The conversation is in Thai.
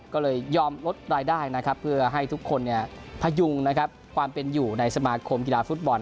ก็เลยยอมลดรายได้นะครับเพื่อให้ทุกคนพยุงนะครับความเป็นอยู่ในสมาคมกีฬาฟุตบอล